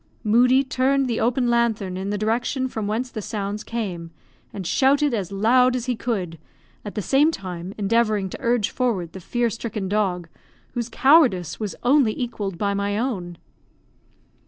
Moodie turned the open lanthorn in the direction from whence the sounds came, and shouted as loud as he could, at the same time endeavouring to urge forward the fear stricken dog, whose cowardice was only equalled by my own.